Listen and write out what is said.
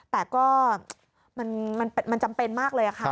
แต่ก็มันจำเป็นมากเลยค่ะ